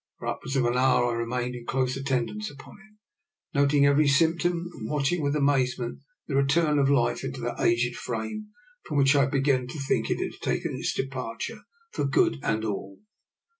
For upwards of an hour I re mained in close attendance upon him, noting every symptom, and watching with amaze ment the return of life into that aged frame from which I had begun to think it had taken its departure for good and all.